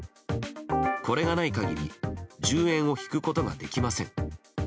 これがない限り１０円を引くことができません。